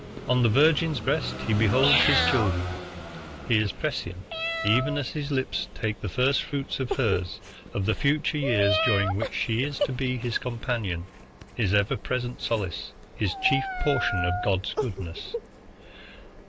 On the virgin's breast he beholds his children. He is prescient, even as his lips take the first fruits of hers, of the future years during which she is to be his companion, his ever present solace, his chief portion of God's goodness.